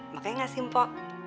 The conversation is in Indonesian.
makanya ga sih mpo